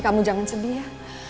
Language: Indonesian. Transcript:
tanti jangan sedih ya